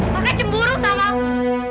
kakak cemburu sama aku